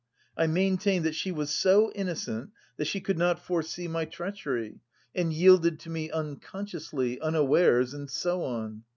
I maintained that she was so innocent that she could not foresee my treachery, and yielded to me unconsciously, unawares, and so on.